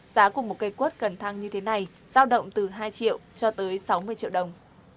giá của một cây quất cần thăng như thế này giao động từ hai triệu cho tới sáu mươi triệu đồng